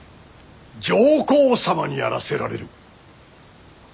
上皇様にあらせられる。